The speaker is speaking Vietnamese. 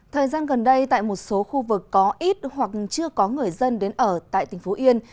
thời gian gần đây tại một số khu vực có ít hoặc chưa có người dân đến ở tại tỉnh phú yên